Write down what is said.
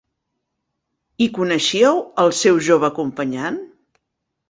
I coneixíeu el seu jove acompanyant?